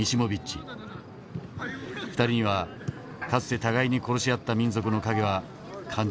２人にはかつて互いに殺し合った民族の影は感じられない。